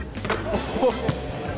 おっ！